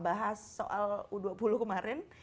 bahas soal u dua puluh kemarin